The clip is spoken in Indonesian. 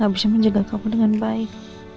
bisa menjaga kamu dengan baik